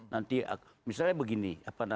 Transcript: nanti misalnya begini